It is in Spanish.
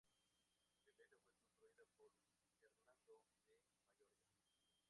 La iglesia fue construida por Hernando de Mayorga.